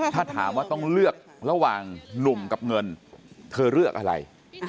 ถ้าถามว่าต้องเลือกระหว่างหนุ่มกับเงินเธอเลือกอะไร